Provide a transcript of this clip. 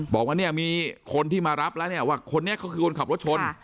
บอกว่าเนี่ยมีคนที่มารับแล้วเนี่ยว่าคนนี้เขาคือคนขับรถชน